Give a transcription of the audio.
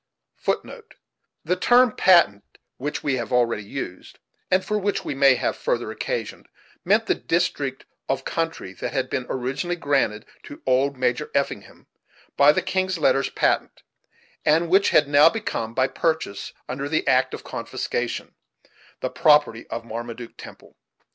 The term "Patent" which we have already used, and for which we may have further occasion, meant the district of country that had been originally granted to old Major Effingham by the "king's letters patent," and which had now become, by purchase under the act of confiscation, the property of Marmaduke Temple.